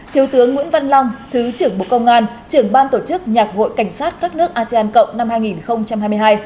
thiếu tướng nguyễn văn long thứ trưởng bộ công an trưởng ban tổ chức nhạc hội cảnh sát các nước asean cộng năm hai nghìn hai mươi hai